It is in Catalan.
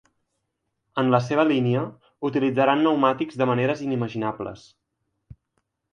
En la seva línia, utilitzaran pneumàtics de maneres inimaginables.